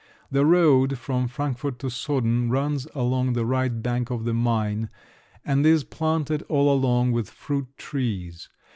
The road from Frankfort to Soden runs along the right bank of the Maine, and is planted all along with fruit trees.